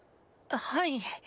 はい。